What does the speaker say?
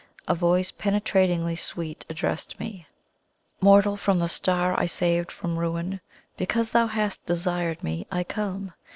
A voice penetratingly sweet addressed me: "Mortal from the Star I saved from ruin, because thou hast desired Me, I come!